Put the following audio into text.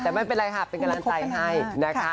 แต่ไม่เป็นไรค่ะเป็นกำลังใจให้นะคะ